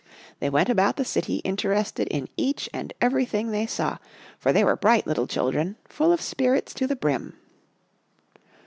They went about the city interested in each and everything they saw, for they were bright little children, full of spirits to the brim.